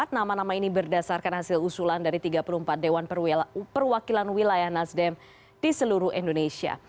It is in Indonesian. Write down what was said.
nama nama ini berdasarkan hasil usulan dari tiga puluh empat dewan perwakilan wilayah nasdem di seluruh indonesia